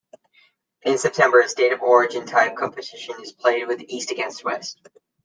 In September a State of Origin type competition is played with East against West.